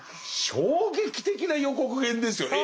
衝撃的な予告編ですよね。